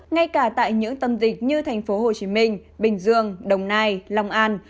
ngay cả tại những tâm dịch như thành phố hồ chí minh bình dương đồng nai long an